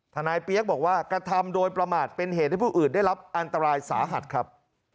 เปี๊ยกบอกว่ากระทำโดยประมาทเป็นเหตุให้ผู้อื่นได้รับอันตรายสาหัสครับ